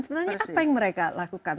sebenarnya apa yang mereka lakukan